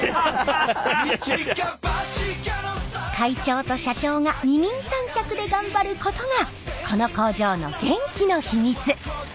会長と社長が二人三脚で頑張ることがこの工場の元気の秘密！